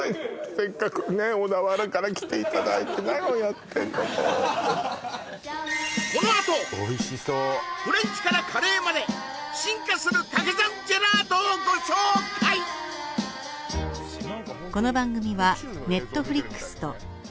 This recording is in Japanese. せっかくね小田原から来ていただいて何をやってんのもうこのあとフレンチからカレーまで進化するかけ算ジェラートをご紹介夕飯何？